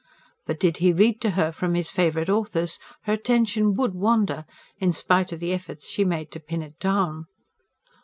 But did he read to her from his favourite authors her attention WOULD wander, in spite of the efforts she made to pin it down.